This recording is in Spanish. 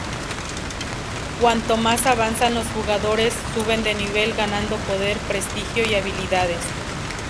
Cuanto más avanzan los jugadores, suben de nivel, ganando poder, prestigio y habilidades.